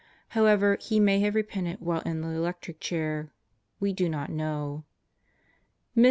However, he may have repented while in the electric chair. We do not know. Mr.